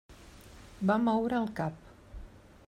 Va moure el cap.